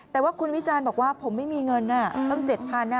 แต่ว่าคุณวิจารณ์บอกว่าผมไม่มีเงินตั้ง๗๐๐บาท